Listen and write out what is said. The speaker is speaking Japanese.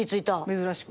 珍しく。